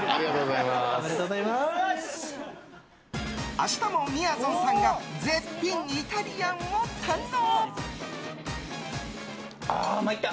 明日も、みやぞんさんが絶品イタリアンを堪能！